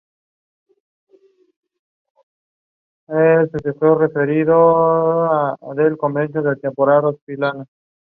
Versos en loor a un santo ermitaño", "El pasajero" y "La pipa de kif".